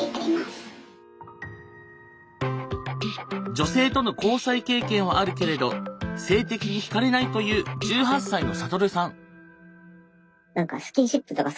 女性との交際経験はあるけれど性的にひかれないという１８歳のサトルさん。